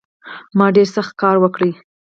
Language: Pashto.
ما ډېر سخت کار وکړ